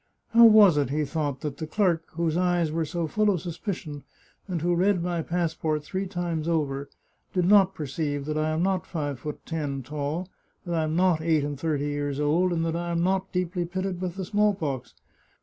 " How was it," he thought, " that the clerk, whose eyes were so full of suspicion, and who read my passport three times over, did not perceive that I am not five foot ten tall, that I am not eight and thirty years old, and that I am not deeply pitted with the small pox?